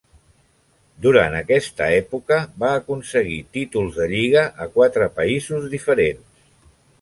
Durant aquesta època, va aconseguir títols de lliga a quatre països diferents.